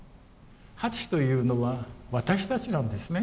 ８というのは私たちなんですね。